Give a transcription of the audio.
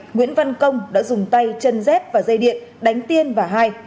nguyễn văn công đã dùng tay chân dép và dây điện đánh tiên và hai